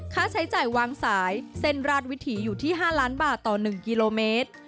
ค่าใช้จ่ายวางสายเส้นราชวิถีอยู่ที่๕ล้านบาทต่อ๑กิโลเมตร